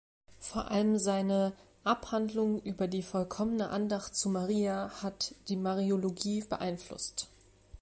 Vor allem seine "Abhandlung über die vollkommene Andacht zu Maria" hat die Mariologie beeinflusst.